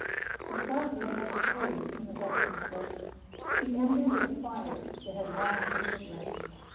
The prattler had stirred, in the veteran's breast, The embers of fire that had long been at rest.